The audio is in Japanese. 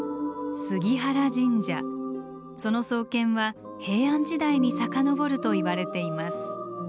その創建は平安時代に遡るといわれています。